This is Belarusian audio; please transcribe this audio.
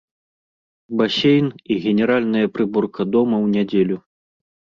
Басейн і генеральная прыборка дома ў нядзелю.